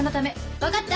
分かった？